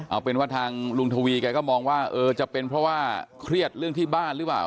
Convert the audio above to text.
เอาเป็นว่าทางลุงทวีแกก็มองว่าเออจะเป็นเพราะว่าเครียดเรื่องที่บ้านหรือเปล่า